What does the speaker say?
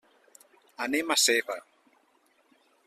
Anem a Seva.